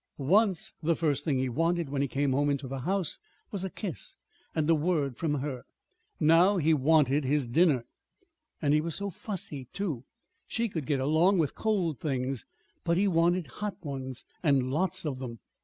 Once, the first thing he wanted when he came into the house was a kiss and a word from her. Now he wanted his dinner. And he was so fussy, too! She could get along with cold things; but he wanted hot ones, and lots of them.